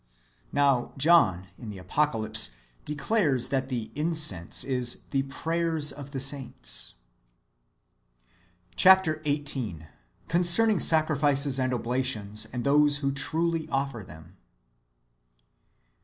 Now John, in the Apocalypse, declares that the " incense" is " the prayers of the saints."^ Chap, xviii. — Concerning sacrifices and oblations, and tliose ivJio trull/ offer them.